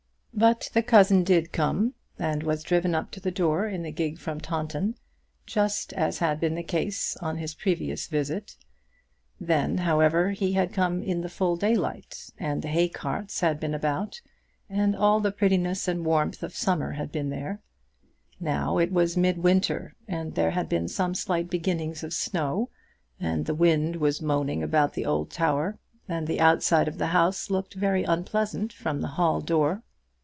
But the cousin did come, and was driven up to the door in the gig from Taunton, just as had been the case on his previous visit. Then, however, he had come in the full daylight, and the hay carts had been about, and all the prettiness and warmth of summer had been there; now it was mid winter, and there had been some slight beginnings of snow, and the wind was moaning about the old tower, and the outside of the house looked very unpleasant from the hall door.